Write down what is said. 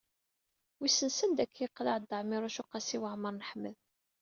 Wissen sanda akka i yeqleɛ Dda Ɛmiiruc u Qasi Waɛmer n Ḥmed.